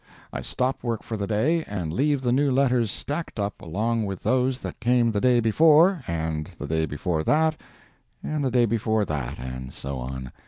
I stop work for the day, and leave the new letters stacked up along with those that came the day before, and the day before that, and the day before that, and so on.